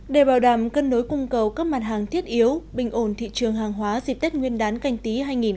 để bảo đảm cân nối cung cầu các mặt hàng thiết yếu bình ổn thị trường hàng hóa dịp tết nguyên đán canh tí hai nghìn hai mươi